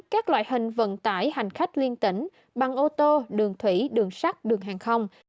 các loại hình vận tải hành khách liên tỉnh bằng ô tô đường thủy đường sắt đường hàng không